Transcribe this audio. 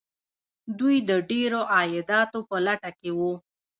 دوی د ډیرو عایداتو په لټه کې وو.